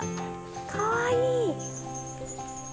かわいい！